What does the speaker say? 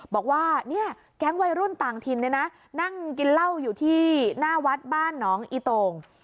บอกว่าแก๊งวัยรุ่นต่างทินนะนั่งกินเหล้าอยู่ที่หน้าวัดบ้านน้องอิตง